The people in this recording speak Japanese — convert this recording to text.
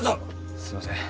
すいません